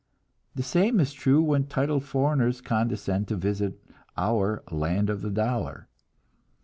The same is true when titled foreigners condescend to visit our "land of the dollar."